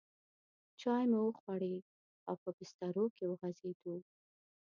چای مو وخوړې او په بسترو کې وغځېدو.